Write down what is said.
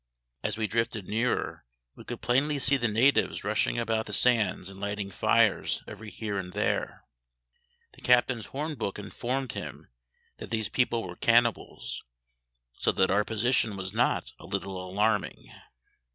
As we drifted nearer we could plainly see the natives rushing about the sands and lighting fires every here and there. The captain's horn book informed him that these people were cannibals, so that our position was not a little alarming.